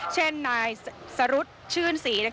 เช่นนายสรุธชื่นศรี